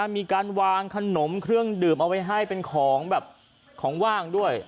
มีการวางขนมเครื่องดื่มเอาไว้ให้เป็นของแบบของว่างด้วย